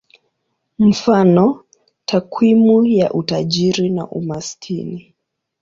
Mfano: takwimu ya utajiri na umaskini.